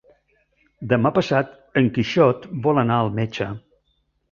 Demà passat en Quixot vol anar al metge.